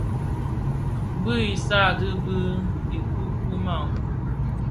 Bu i sààdee bi kikumàg.